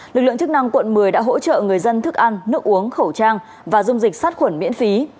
lực lượng chức năng quận một mươi đã hỗ trợ người dân thức ăn nước uống khẩu trang và dung dịch sát khuẩn miễn phí